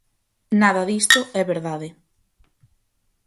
Nada disto é verdade.